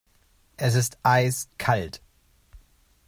Es ist eiskalt.